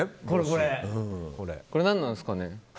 これ、何なんですかね。